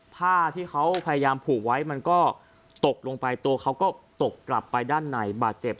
ผ้าที่เขาพยายามผูกไว้มันก็ตกลงไปตัวเขาก็ตกกลับไปด้านในบาดเจ็บ